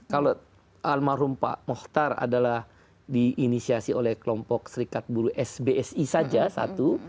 kalau almarhum pak mohtar adalah diinisiasi oleh kelompok serikat buruh sbsi saja satu